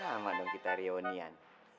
sama dong kita reunian